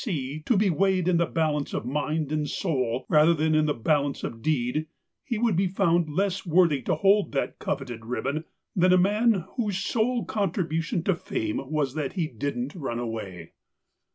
C. to be weighed in the balance of mind and soul rather than in the balance of deed, he would be found less worthy to hold that coveted ribbon than a man whose sole contribution to fame was that he didn't run away.